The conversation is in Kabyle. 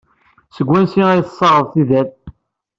Seg wansi ay d-tessaɣeḍ tidal?